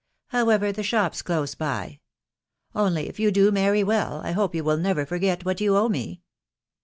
... Htfrl ever, the shop's close by. .•. Only, if you do marry well, 1 1 hope you will never forget what you owe me."